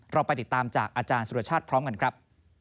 เราไปติดตามจากอาจารย์สุรชาติพร้อมกันครับ